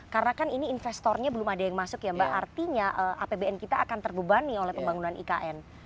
karena kan ini investornya belum ada yang masuk ya mbak artinya apbn kita akan terbebani oleh pembangunan ikn